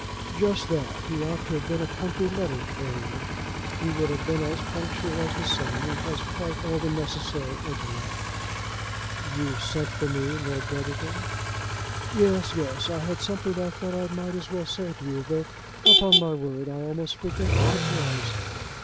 "Just that. He ought to have been a country letter carrier. He would have been as punctual as the sun, and has quite all the necessary intellect." "You sent for me, Lord Brotherton " "Yes; yes. I had something that I thought I might as well say to you, though, upon my word, I almost forget what it was."